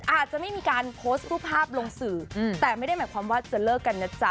อาจจะไม่มีการโพสต์รูปภาพลงสื่อแต่ไม่ได้หมายความว่าจะเลิกกันนะจ๊ะ